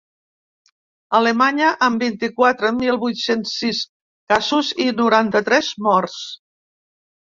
Alemanya, amb vint-i-quatre mil vuit-cents sis casos i noranta-tres morts.